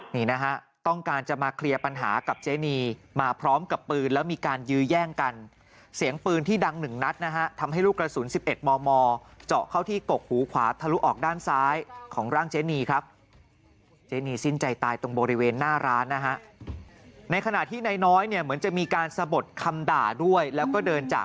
นี่นะฮะต้องการจะมาเคลียร์ปัญหากับเจนีมาพร้อมกับปืนแล้วมีการยื้อแย่งกันเสียงปืนที่ดังหนึ่งนัดนะฮะทำให้ลูกกระสุน๑๑มมเจาะเข้าที่กกหูขวาทะลุออกด้านซ้ายของร่างเจนีครับเจนีสิ้นใจตายตรงบริเวณหน้าร้านนะฮะในขณะที่นายน้อยเนี่ยเหมือนจะมีการสะบดคำด่าด้วยแล้วก็เดินจาก